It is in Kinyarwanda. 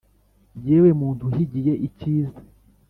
yewe muntu uhigiye icyiza